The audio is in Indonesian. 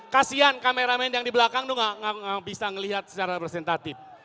kasian kameramen yang di belakang itu gak bisa ngelihat secara representatif